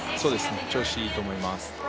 調子いいと思います。